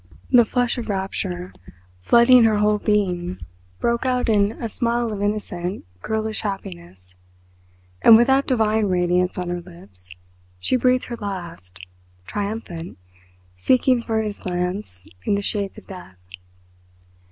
The flush of rapture flooding her whole being broke out in a smile of innocent, girlish happiness; and with that divine radiance on her lips she breathed her last triumphant, seeking for his glance in the shades of death.